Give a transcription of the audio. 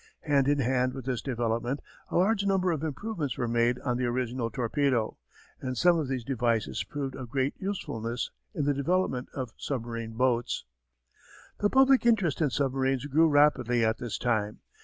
Hand in hand with this development a large number of improvements were made on the original torpedo and some of these devices proved of great usefulness in the development of submarine boats. The public interest in submarines grew rapidly at this time.